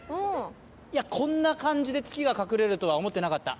いや、こんな感じで月が隠れるとは思ってなかった。